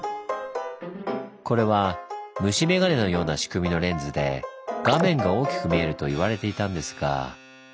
これは虫眼鏡のような仕組みのレンズで画面が大きく見えると言われていたんですが。